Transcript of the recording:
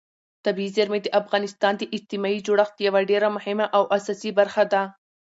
طبیعي زیرمې د افغانستان د اجتماعي جوړښت یوه ډېره مهمه او اساسي برخه ده.